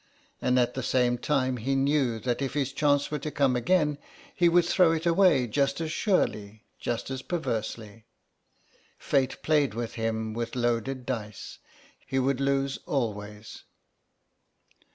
And at the same time he knew that if his chance were to come again he would throw it away just as surely, just as perversely. Fate played with him with loaded dice; he would lose always.